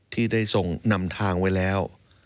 ที่ได้ส่งนำทางไว้แล้ว